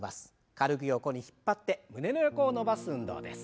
軽く横に引っ張って胸の横を伸ばす運動です。